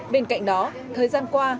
bên cạnh đó thời gian qua